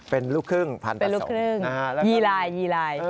เป็นลูกครึ่งพันประสงค์ยีลาย